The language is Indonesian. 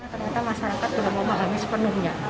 ternyata masyarakat belum memahami sepenuhnya